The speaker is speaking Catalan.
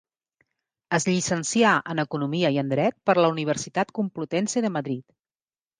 Es llicencià en economia i en dret per la Universitat Complutense de Madrid.